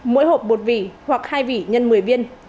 mỗi hộp một vỉ hoặc hai vỉ x một mươi viên